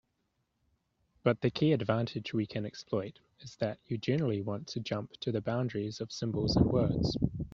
But the key advantage we can exploit is that you generally want to jump to the boundaries of symbols and words.